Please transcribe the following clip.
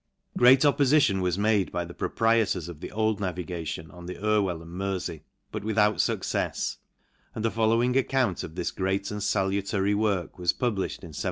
Great oppofition was made by the proprietors of: the old navigation on the Ir vue 11 and Merfey, but without fuccefs ; and the following account of this great and falutary work was publifhed in 1765.